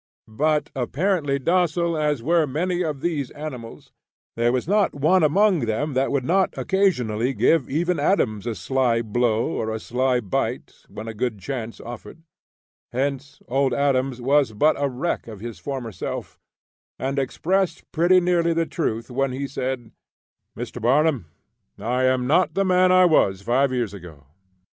But apparently docile as were many of these animals, there was not one among them that would not occasionally give even Adams a sly blow or a sly bite when a good chance offered; hence Old Adams was but a wreck of his former self, and expressed pretty nearly the truth when he said: "Mr. Barnum, I am not the man I was five years ago.